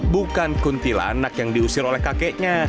bukan kuntilanak yang diusir oleh kakeknya